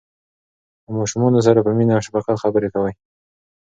له ماشومانو سره په مینه او شفقت خبرې کوئ.